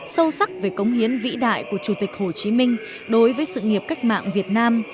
sâu sắc về cống hiến vĩ đại của chủ tịch hồ chí minh đối với sự nghiệp cách mạng việt nam